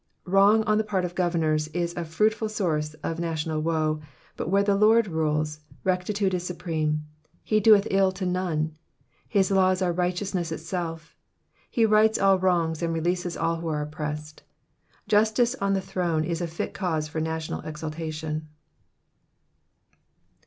''* Wrong on the part of governors is a fruitful source of national woe, but where the Lord rules, rectitude is supreme. He doeth ill to none. His laws are righteousness itself. He rights all wrongs and releases all who are oppressed. Justice on the throne is a fit cause for national exultation.